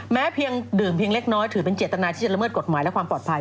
เพียงดื่มเพียงเล็กน้อยถือเป็นเจตนาที่จะละเมิดกฎหมายและความปลอดภัย